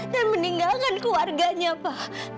dan meninggalkan keluarganya pa